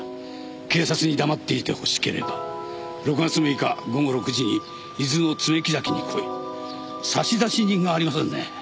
「警察に黙っていてほしければ６月６日午後６時に伊豆の爪木崎に来い」差出人がありませんね。